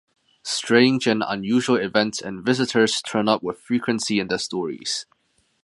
Strange and unusual events and visitors turn up with frequency in the stories.